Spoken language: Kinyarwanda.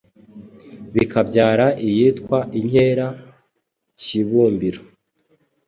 bikabyara iyitwa inkera kibumbiro,